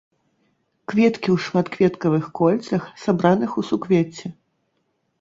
Кветкі ў шматкветкавых кольцах, сабраных у суквецці.